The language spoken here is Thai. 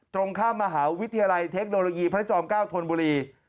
ตรงข้ามมหาวิทยาลัยเทคโนโลยีพระจอม๙ธนบุรี